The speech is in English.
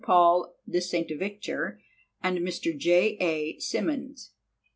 Paul de St. Victor, and Mr. J. A. Symonds.